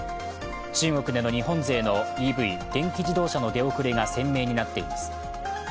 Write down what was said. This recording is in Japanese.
中国での日本勢のＥＶ＝電気自動車の出遅れが鮮明になっています。